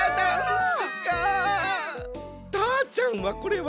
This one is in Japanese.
たーちゃんはこれは？